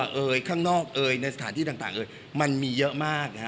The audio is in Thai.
ครอบครัวเอ๋ยข้างนอกเอ๋ยในสถานที่ต่างต่างเอ๋ยมันมีเยอะมากนะฮะ